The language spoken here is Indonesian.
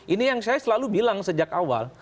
ini yang saya selalu bilang sejak awal